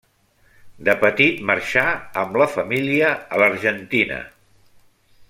De petit marxà amb la família a l'Argentina.